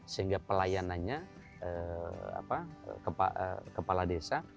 sehingga pelayanannya kepala desa